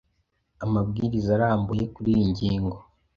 amabwiriza arambuye kuri iyi ngingo